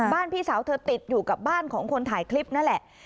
พี่สาวเธอติดอยู่กับบ้านของคนถ่ายคลิปนั่นแหละ